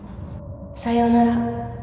さようなら